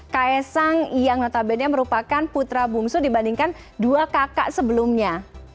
kaisang yang notabene merupakan putra bungsu dibandingkan dua kakak sebelumnya